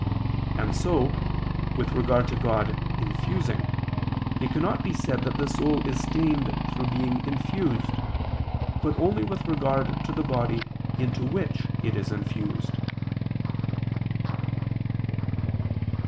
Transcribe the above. And so, with regard to God infusing, it cannot be said that the soul is stained through being infused; but only with regard to the body into which it is infused.